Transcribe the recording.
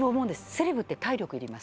セレブって体力いります。